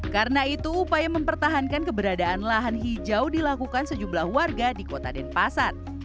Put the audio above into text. karena itu upaya mempertahankan keberadaan lahan hijau dilakukan sejumlah warga di kota denpasar